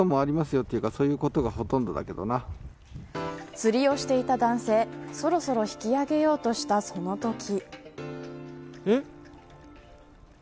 釣りをしていた男性そろそろ引き上げようとしたそのとき。